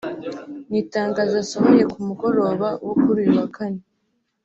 Mu itangazo asohoye ku mugoroba wo kuri uyu wa kane